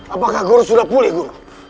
apakah guru sudah pulih gue